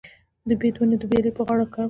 د بید ونې د ویالې په غاړه وکرم؟